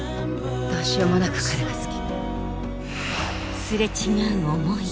どうしようもなく彼が好き。